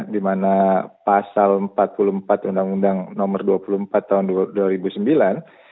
dimana pasal empat puluh empat undang undang nomor dua puluh empat tahun dua ribu sembilan